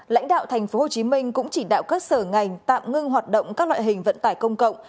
lãnh đạo tp hcm cũng chỉ đạo các sở ngành tạm ngưng hoạt động các loại hình vận tải công cộng